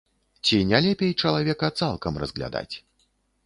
Ці не лепей чалавека цалкам разглядаць?